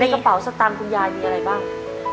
กระเป๋าสตางค์คุณยายมีอะไรบ้าง